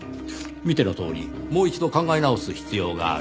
見てのとおりもう一度考え直す必要がある。